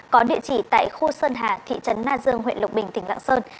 có địa chỉ tại khu sơn hà thị trấn na dương huyện lộc bình tp lạng sơn